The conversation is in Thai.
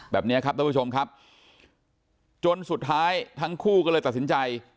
แบบนี้ครับท่านผู้ชมครับจนสุดท้ายทั้งคู่ก็เลยตัดสินใจ